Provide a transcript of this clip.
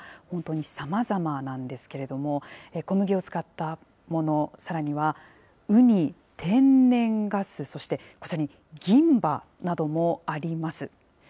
本当にさまざまなんですけれども、小麦を使ったもの、さらにはウニ、天然ガス、そしてこちらに銀歯などもあります。